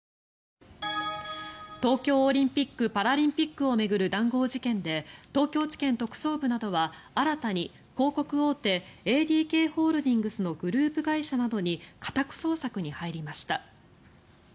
東京オリンピック・パラリンピックを巡る談合事件で東京地検特捜部などは新たに広告大手ＡＤＫホールディングスのグループ会社などに家宅捜索に入りました。